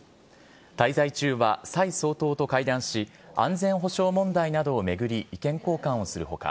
滞在中は蔡総統と会談し、安全保障問題などを巡り、意見交換をするほか、